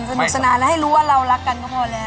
สนุกสนานแล้วให้รู้ว่าเรารักกันก็พอแล้ว